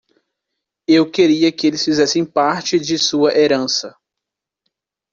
Eu queria que eles fizessem parte de sua herança.